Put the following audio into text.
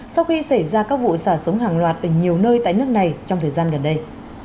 sau khi xảy ra các vụ xả súng hàng loạt ở nhiều nơi tại nước này trong thời gian gần đây